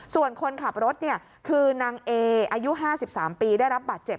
ส่วนคนขับรถคือนางเออายุ๕๓ปีได้รับบาดเจ็บ